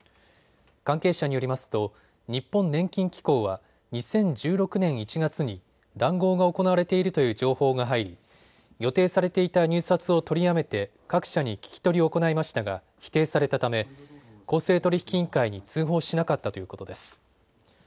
関係者によりますと日本年金機構は２０１６年１月に談合が行われているという情報が入り予定されていた入札を取りやめて各社に聞き取りを行いましたが否定されたため公正取引委員会に通報しなかったということです。